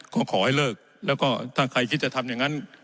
ก็ขอให้เลิกแล้วก็ถ้าใครคิดจะทำอย่างนั้น